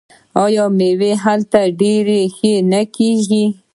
آیا میوه هلته ډیره ښه نه کیږي؟